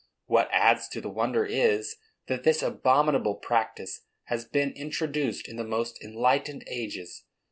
What adds to the wonder is, that this abominable practice has been introduced in the most enlightened ages.